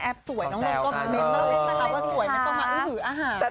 ภาพว่าสวยไม่ต้องมีอื้อหืออาหาร